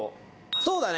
そうだね。